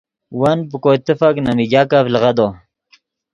ون پے کوئے تیفک نے میگاکف لیغدو